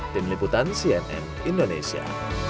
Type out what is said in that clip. tim liputan cnn indonesia